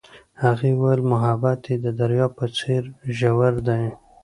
هغې وویل محبت یې د دریاب په څېر ژور دی.